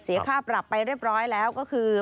ค่าปรับไปเรียบร้อยแล้วก็คือ